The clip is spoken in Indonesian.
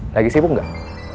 lagi sibuk gak